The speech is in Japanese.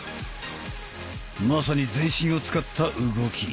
まさに全身を使った動き。